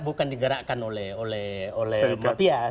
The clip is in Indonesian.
bukan digerakkan oleh mafia